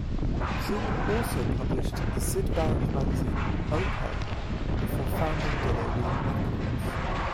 Trueman also published the Syd Barrett magazine, "Opel", before founding Delerium Records.